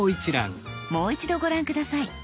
もう一度ご覧下さい。